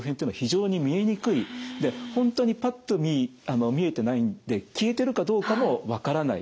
本当にパッと見見えてないんで消えてるかどうかも分からない。